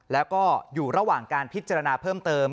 แล้วก็อยู่ระหว่างการพิจารณาเพิ่มเติม